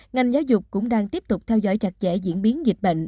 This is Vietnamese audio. ngành giáo dục cũng đang tiếp tục theo dõi chặt chẽ diễn biến dịch bệnh